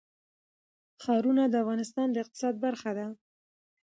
ښارونه د افغانستان د اقتصاد برخه ده.